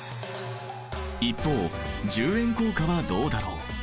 一方１０円硬貨はどうだろう？